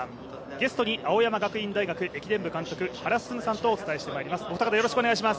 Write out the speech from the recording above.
ゲストに青山学院大学駅伝部監督の原晋さんとお伝えしていきます。